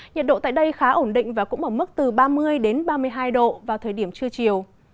nhiệt độ tại đây khá ổn định và cũng ở mức từ ba mươi ba mươi hai độ vào thời điểm trưa chiều